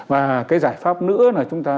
và cái giải pháp nữa là chúng ta